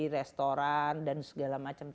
restoran dan segala macamnya